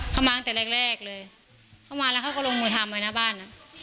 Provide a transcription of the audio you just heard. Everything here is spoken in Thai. เขามาตั้งแต่แรกแรกเลยเขามาแล้วเขาก็ลงมือทำไว้หน้าบ้าน